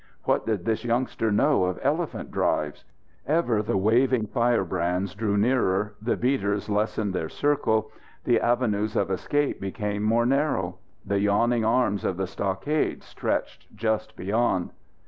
What did this youngster know of elephant drives? Ever the waving firebrands drew nearer, the beaters lessened their circle, the avenues of escape became more narrow. The yawning arms of the stockade stretched just beyond.